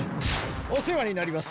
おせわになります。